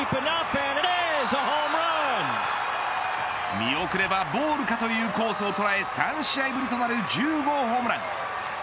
見送ればボールかというコースを捉え３試合ぶりとなる１０号ホームラン。